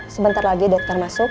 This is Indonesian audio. sebentar lagi dekatkan masuk